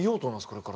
これから。